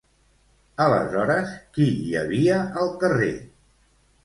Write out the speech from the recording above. Aleshores, qui hi havia al carrer?